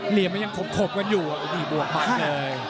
เหลี่ยมมันยังครบกันอยู่อันนี้บวกบันเลย